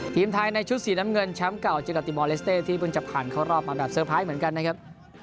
ทีมไทยในชุดสีน้ำเงินแชมป์เก่าเจนาติมอลเลสเต้ที่เพิ่งจะผ่านเข้ารอบมาแบบเตอร์ไพรส์เหมือนกันนะครับ